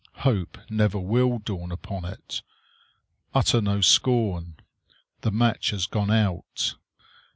Hope never will dawn upon it. Utter no scorn. The match has gone out.